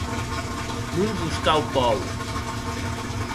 Non vos cau pòur!